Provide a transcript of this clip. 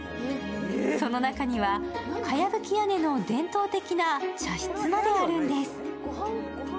その中には茅葺き屋根の伝統的な茶室まであるんです。